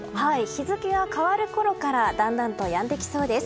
日付が変わるころからだんだんとやんできそうです。